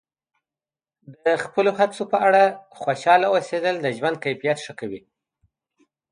د خپلو هڅو په اړه خوشحاله اوسیدل د ژوند کیفیت ښه کوي.